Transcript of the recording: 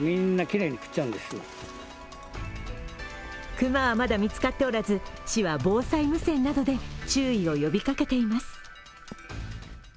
熊はまだ見つかっておらず、市は防災無線などで注意を呼びかけています。